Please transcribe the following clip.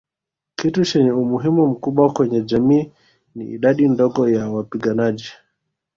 Kitu chenye umuhimu mkubwa kwenye jamii ni idadi ndogo ya wapiganaji